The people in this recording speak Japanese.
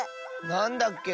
なんだっけ？